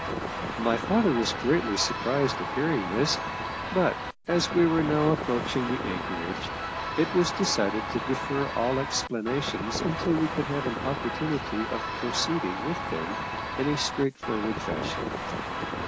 My father was greatly surprised at hearing this, but as we were now approaching the anchorage, it was decided to defer all explanations until we could have an opportunity of proceeding with them in a straightforward fashion.